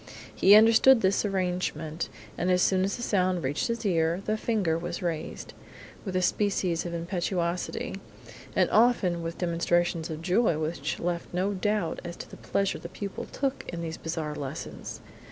He understood this arrangement, and as soon as the sound reached his ear, the finger was raised, with a species of impetuosity, and often with demonstrations of joy which left no doubt as to the pleasure the pupil took in these bizarre lessons.